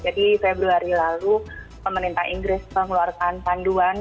jadi februari lalu pemerintah inggris mengeluarkan panduan